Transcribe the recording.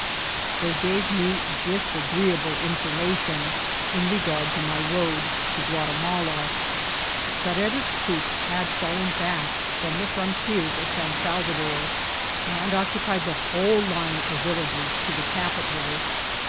They gave me disagreeable information in regard to my road to Guatimala. Carrera's troops had fidlen 16S IKCID1KT8 OF T&ATIL. back from the frontiers of Sen SalTador, and occupied the whole line of Tillages to the capital.